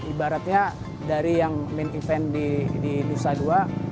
ibaratnya dari yang main event di dusa ii